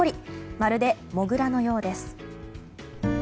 まるで、モグラのようです。